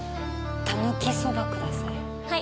たぬき蕎麦ください。